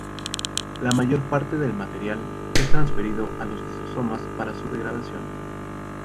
La mayor parte del material es transferido a los lisosomas para su degradación.